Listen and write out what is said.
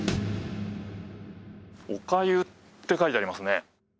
「小粥」って書いてありますね。